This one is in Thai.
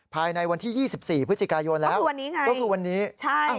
ภายในวันที่๒๔พฤศจิกายนแล้วก็คือวันนี้ไง